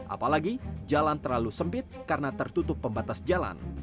apalagi jalan terlalu sempit karena tertutup pembatas jalan